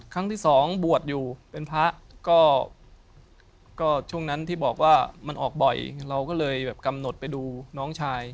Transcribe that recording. ครั้งที่สองบวชอยู่เป็นพระก็ช่วงนั้นที่บอกว่ามันออกบ่อยเราก็เลยแบบกำหนดไปดูน้องชาย